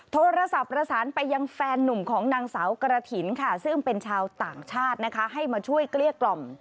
โทรศัพท์ประสานไปยังแฟนนุ่มของนางสาวกระถิญ